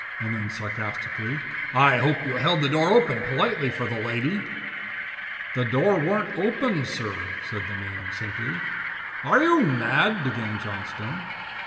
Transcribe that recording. And then sarcastically: 'I hope you held the door open politely for the lady.' "'The door weren't opened, sir,' said the man, simply. "'Are you mad ' began Johnstone.